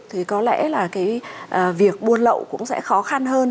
thì có lẽ là cái việc buôn lậu cũng sẽ khó khăn hơn